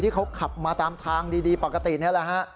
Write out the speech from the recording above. เขาขับมาตามทางดีปกตินี่แหละฮะ